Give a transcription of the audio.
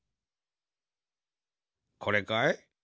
これかい？